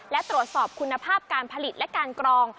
และตรวจสอบคุณภาพการผลิตและการกรอง